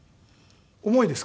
思いですか？